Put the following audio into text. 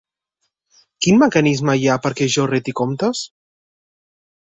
Quin mecanisme hi ha perquè jo reti comptes?